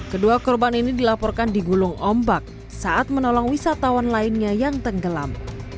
kedua korban ini dilaporkan digulung ombak saat menolong wisatawan lainnya yang tenggelam